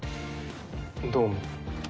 どうも。